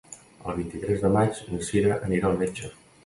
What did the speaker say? El vint-i-tres de maig na Sira anirà al metge.